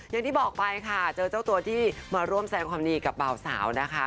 อย่างที่บอกไปค่ะเจอเจ้าตัวที่มาร่วมแสงความดีกับเบาสาวนะคะ